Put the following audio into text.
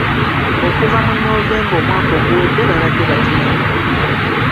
Okuva mu Novemba omwaka oguwedde babadde batuyigga.